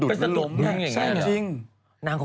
เดินไปสะดุดหลงยังเนอะ